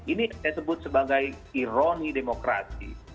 ini disebut sebagai ironi demokrasi